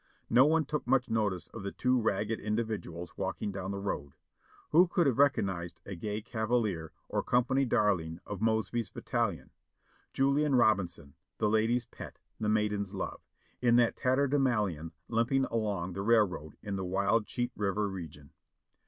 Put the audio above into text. No one took much notice of the two ragged individuals walk ing down the road. Who could have recognized the gay Cava lier or "Company Darling'' of Mosby's battalion — Julian Robin son, the ladies' pet, the maidens' love — in that tatterdemalion limping along the railroad in the wild Cheat River region